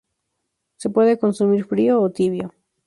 Se puede consumir frío o tibio.